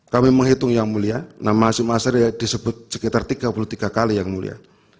kami menghitung yang mulia nama hasim asyariah disebut sekitar tiga puluh tiga kali yang mulia